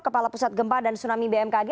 kepala pusat gempa dan tsunami bmkg